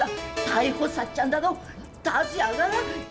逮捕さっちゃんだど達也が！